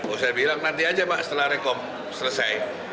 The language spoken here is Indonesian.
oh saya bilang nanti aja pak setelah rekom selesai